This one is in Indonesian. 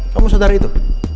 kamu sadar itu